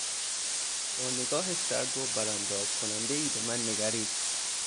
با نگاه سرد و برانداز کنندهای به من نگریست.